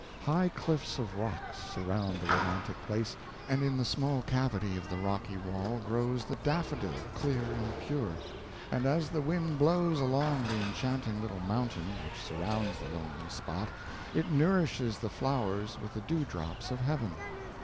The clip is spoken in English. High cliffs of rocks surround the romantic place, and in the small cavity of the rocky wall grows the daffodil clear and pure; and as the wind blows along the enchanting little mountain which surrounds the lonely spot, it nourishes the flowers with the dew drops of heaven.